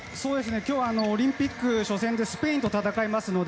今日はオリンピック初戦でスペインと戦いますので